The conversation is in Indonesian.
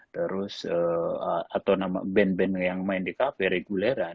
terus atau band band yang main di cafe reguleran